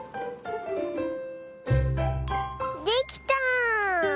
できた！